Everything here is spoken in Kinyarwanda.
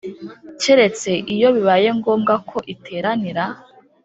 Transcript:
keretse iyo bibaye ngombwa ko iteranira